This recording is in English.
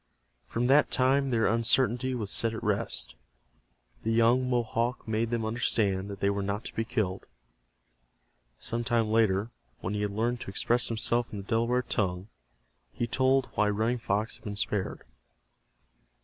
From that time their uncertainty was set at rest. The young Mohawk made them understand that they were not to be killed. Some time later, when he had learned to express himself in the Delaware tongue, he told why Running Fox had been spared.